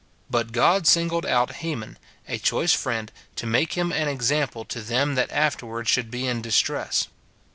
But God singled out Heman, a choice friend, to make him an example to them that afterward should be in distress.